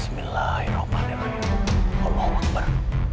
bismillahirohmanirohim allah wakbar